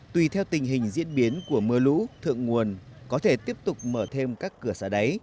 tùy theo tình hình diễn biến của mưa lũ thượng nguồn có thể tiếp tục mở thêm các cửa xả đáy